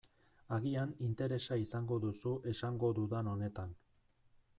Agian interesa izango duzu esango dudan honetan.